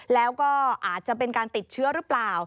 แล้วก็อาจจะเป็นการติดเชื้อหรือเปล่า